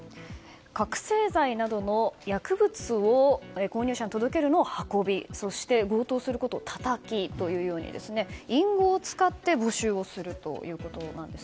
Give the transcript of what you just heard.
覚醒剤などの薬物を購入者に届けることを運びそして強盗することをタタキ隠語を使って募集するということです。